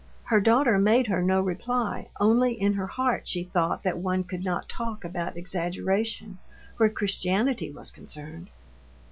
Her daughter made her no reply, only in her heart she thought that one could not talk about exaggeration where Christianity was concerned.